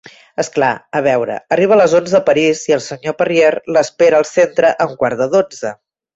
És clar. A veure: arriba a les onze a París i el senyor Perrier l'espera al centre a un quart de dotze.